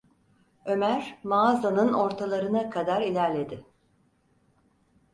Ömer, mağazanın ortalarına kadar ilerledi.